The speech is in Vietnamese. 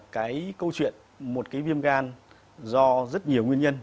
cái câu chuyện một cái viêm gan do rất nhiều nguyên nhân